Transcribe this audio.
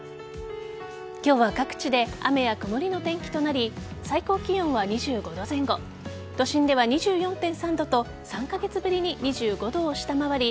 今日は各地で雨や曇りの天気となり最高気温は２５度前後都心では２４．３度と３カ月ぶりに２５度を下回り